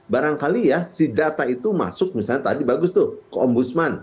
barangkali ya si data itu masuk misalnya tadi bagus tuh ke ombudsman